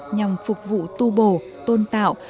nhằm phục vụ tu bổ tôn tạo